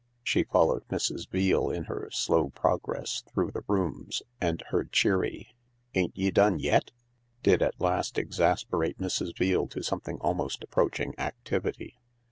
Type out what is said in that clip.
She followed Mrs. Veale in her slow progress through the rooms, and her cheery "Ain't ye done^*?" did at last exasperate Mrs. Veale to something almost approaching activity.